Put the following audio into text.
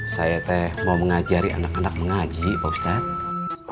saya teh mau mengajari anak anak mengaji pak ustadz